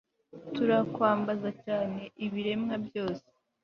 turakwambaza cyane, ibiremwa byose